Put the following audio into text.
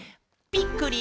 「びっくり！